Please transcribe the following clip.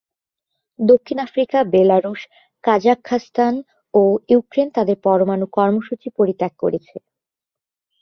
দক্ষিণ Africa, Belarus, Kazakhstan ও Ukraine তাদের পরমাণু কর্মসূচি পরিত্যাগ করেছে।